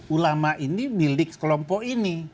ulama ini milik sekelompok ini